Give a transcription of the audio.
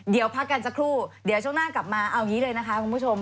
เดี๋ยวช่องหน้ากลับมาเอางี้เลยนะคะคุณผู้ชม